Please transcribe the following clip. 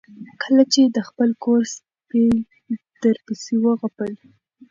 کله چې د خپل کور سپي درپسې وغپل